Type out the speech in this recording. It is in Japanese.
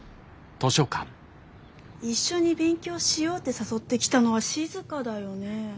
一緒に勉強しようって誘ってきたのはしずかだよね。